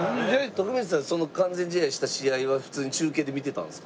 徳光さんその完全試合した試合は普通に中継で見てたんですか？